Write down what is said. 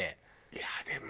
いやあでも。